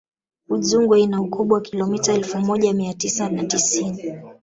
udzungwa ina ukubwa wa kilomita elfu moja mia tisa na tisini